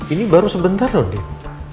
ini baru sebentar loh